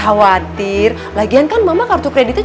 khawatir lagian kan mama kartu kreditnya